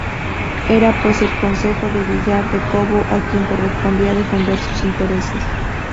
Era, pues, al concejo de Villar del Cobo a quien correspondía defender sus intereses.